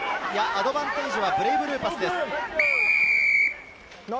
アドバンテージはブレイブルーパスです。